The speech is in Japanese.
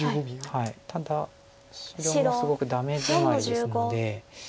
ただ白もすごくダメヅマリですので。